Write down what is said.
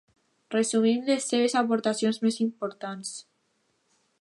Resumim les seves aportacions més importants.